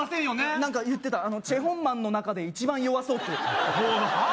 何か言ってた「チェ・ホンマンの中で一番弱そう」ってはあ！？